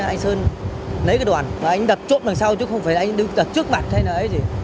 anh sơn lấy cái đoàn và anh đập trộm đằng sau chứ không phải anh đập trước mặt hay là lấy gì